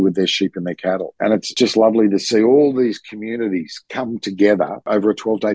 dari agri agri yang kamu adalah